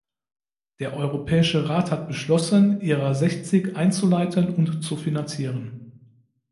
Der Europäische Rat hat beschlossen, ihrer sechzig einzuleiten und zu finanzieren.